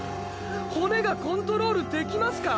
骨がコントロールできますか？